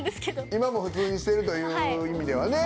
今も普通にしてるという意味ではね。